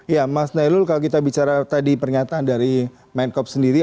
ya mas nailul kalau kita bicara tadi pernyataan dari menkop sendiri